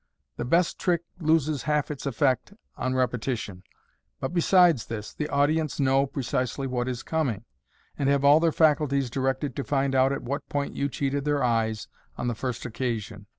The best trick loses half its effect on repetition, but besides this, the audience know precisely what is coming, and have all their faculties directed to find out at what point you cheated their eyes on the first occasion.